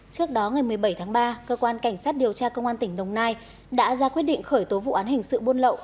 trước đó ngày một mươi bảy tháng ba cơ quan cảnh sát điều tra công an tỉnh đồng nai đã ra quyết định khởi tố vụ án hình sự buôn lậu